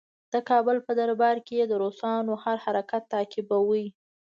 د کابل په دربار کې یې د روسانو هر حرکت تعقیباوه.